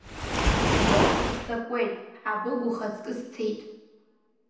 Стәом, сыццакуеит, Хабыгә, ухаҵкы сцеит.